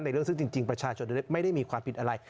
เรื่องซึ่งจริงประชาชนไม่ได้มีความผิดอะไร